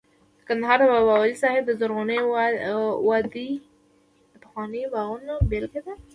د کندهار د بابا ولی صاحب د زرغونې وادۍ د پخوانیو باغونو بېلګه ده